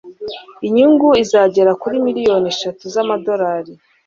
Inyungu izagera kuri miliyoni eshatu z'amadolari